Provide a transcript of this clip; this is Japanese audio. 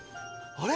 あれ？